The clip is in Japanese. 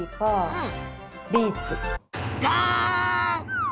うん！